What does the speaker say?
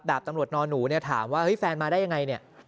ดาบตำรวจหนอหนูถามว่าเฮ้ยแฟนมาได้ยังไง